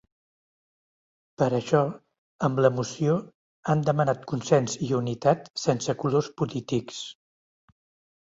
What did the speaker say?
Per això, amb la moció han demanat consens i unitat sense ‘colors polítics’.